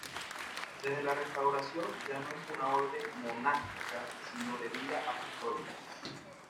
Desde la restauración ya no es una orden monástica, sino de vida apostólica.